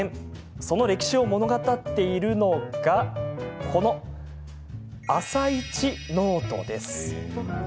その歴史を物語っているのがこの「あさイチ」ノートです。